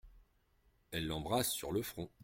Elle l’embrasse sur le front.